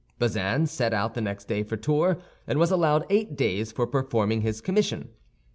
Bazin set out the next day for Tours, and was allowed eight days for performing his commission.